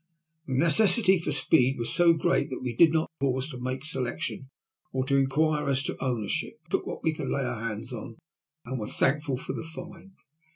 The necessity for speed was so great that we did not pause to make selection or to inquire as to ownership, but took what we could lay our hands on and were thankful for the find.